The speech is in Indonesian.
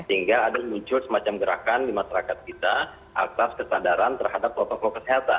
sehingga ada muncul semacam gerakan di masyarakat kita atas kesadaran terhadap protokol kesehatan